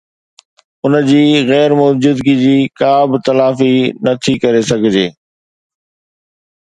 ان جي غير موجودگيءَ جي ڪا به تلافي نه ٿي ڪري سگھجي